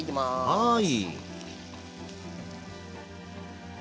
はい。